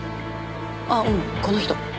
あっうんこの人。